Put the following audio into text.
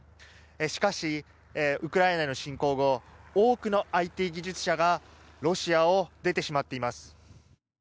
しかしウクライナの侵攻後多くのＩＴ技術者がロシアを出てしまっています。